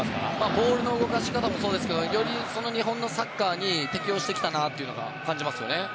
ボールの動かし方もそうですがより日本のサッカーに適応してきたなと感じますね。